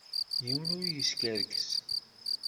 Yiwen ur yeskerkes.